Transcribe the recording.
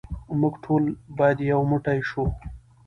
موږ ټول باید یو موټی شو.